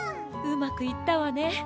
うまくいったわね！